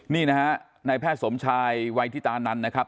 นี่นะครับแพทย์สมชายไวที่ตานั้นนะครับ